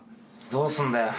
どうすんだよ？